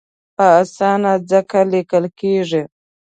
په اسانه ځکه لیکل کېږي.